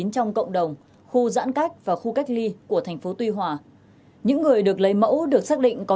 trong cộng đồng khu giãn cách và khu cách ly của thành phố tuy hòa những người được lấy mẫu được xác định có